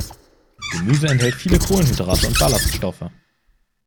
Gemüse enthält viele Kohlenhydrate und Ballaststoffe.